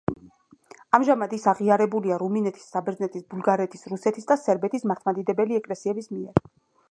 ამჟამად ის აღიარებულია რუმინეთის, საბერძნეთის, ბულგარეთის, რუსეთის და სერბეთის მართლმადიდებელი ეკლესიების მიერ.